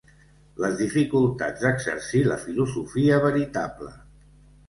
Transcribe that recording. Les dificultats d'exercir la filosofia veritable.